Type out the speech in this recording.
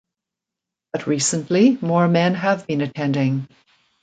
But recently more men have been attending.